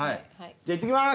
じゃあいってきます！